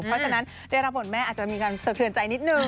เพราะฉะนั้นได้รับบทแม่อาจจะมีการสะเทือนใจนิดนึง